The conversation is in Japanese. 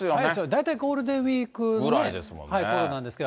大体ゴールデンウィークぐらいにころなんですけれども。